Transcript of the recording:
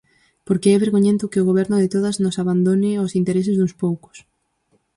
Porque é vergoñento que o Goberno de todas nos abandone aos intereses duns poucos.